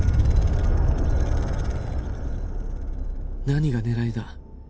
何が狙いだ？